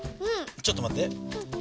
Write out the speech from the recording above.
ちょっと待って。